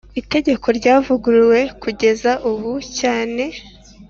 itegeko ryavuguruwe kugeza ubu cyane